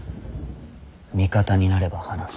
味方になれば話す。